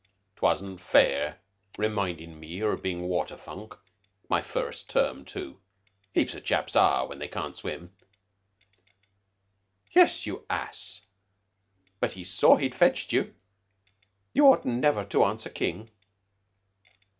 "'Twasn't fair remindin' one of bein' a water funk. My first term, too. Heaps of chaps are when they can't swim." "Yes, you ass; but he saw he'd fetched you. You ought never to answer King."